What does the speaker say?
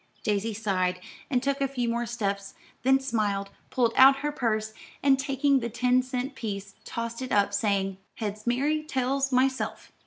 Daisy sighed, and took a few more steps, then smiled, pulled out her purse, and taking the ten cent piece tossed it up, saying, "Heads, Mary; tails, myself."